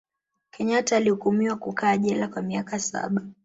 kenyata alihukumiwa kukaa jela kwa miaka saba